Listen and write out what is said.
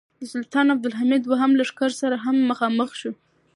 د سلطان عبدالحمید دوهم له لښکر سره هم مخامخ شو.